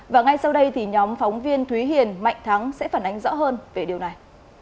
và ngay sau đây thì nhóm phóng viên thúy hiền mạnh thắng sẽ phản ánh rõ hơn về điều này